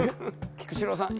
菊紫郎さん